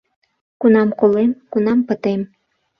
Кунам колем, кунам пытем